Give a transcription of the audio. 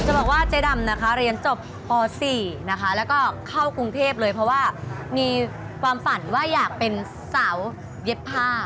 บอกว่าเจ๊ดำนะคะเรียนจบป๔นะคะแล้วก็เข้ากรุงเทพเลยเพราะว่ามีความฝันว่าอยากเป็นสาวเย็บผ้า